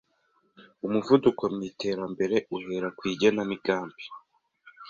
Umuvuduko mu iterambere uhera ku igenamigambi,